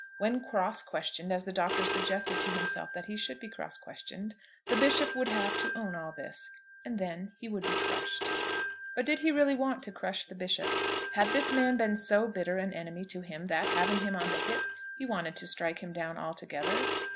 When cross questioned, as the Doctor suggested to himself that he should be cross questioned, the Bishop would have to own all this; and then he would be crushed. But did he really want to crush the Bishop? Had this man been so bitter an enemy to him that, having him on the hip, he wanted to strike him down altogether?